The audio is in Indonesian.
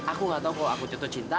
aku gak tau kok aku jatuh cinta